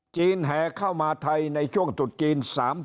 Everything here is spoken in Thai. แห่เข้ามาไทยในช่วงจุดจีน๓๐